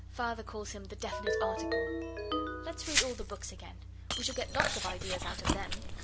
Father calls him the Definite Article. 'Let's read all the books again. We shall get lots of ideas out of them.